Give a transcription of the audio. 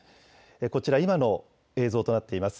こちら、今の映像となっています。